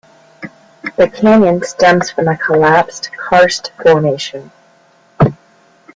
The canyon stems from a collapsed karst formation.